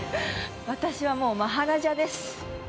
私はもう、マハラジャです